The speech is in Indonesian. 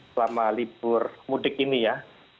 selama libur mudik ini ya